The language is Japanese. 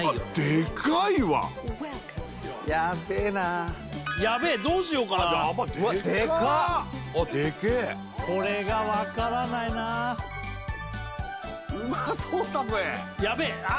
でかいわヤベえなヤベえどうしようかなうわっでかっあっでけえこれがわからないなうまそうだぜヤベえあ